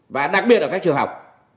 và đặc biệt ở các trường học